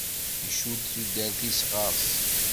Icudd tudert-is ɣer-s.